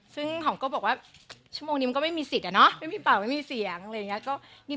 ซึ่งหอมก็บอกว่าชั่วโมงนี้มันก็ไม่มีสิทธิอะเนาะไม่มีเป่าไม่มีเสียงอะไรอย่างนี้